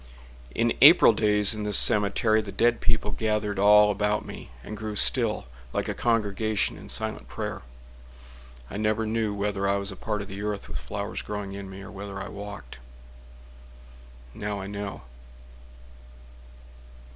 In April days in this cemetery The dead people gathered all about me, And grew still, like a congregation in silent prayer. I never knew whether I was a part of the earth With flowers growing in me, or whether I walked— Now I know.